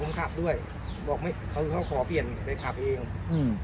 เขาขอคอผมขับด้วยบอกไม่เขาขอเขียนไปขับเองอืม